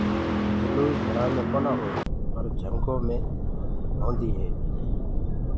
گِلوئي گهرآنٚ مي ڪونآ هوئي پر جھِنگو مي هوندي هونٚ۔